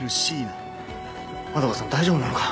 円さん大丈夫なのか？